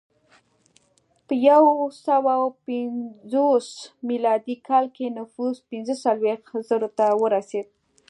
په یو سوه پنځوس میلادي کال کې نفوس پنځه څلوېښت زرو ته ورسېد